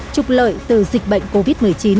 trục lợi từ dịch bệnh covid một mươi chín